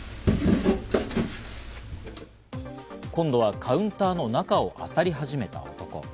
今度はカウンターの中を漁り始めた男。